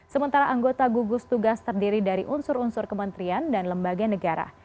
sementara anggota gugus tugas terdiri dari unsur unsur kementerian dan lembaga negara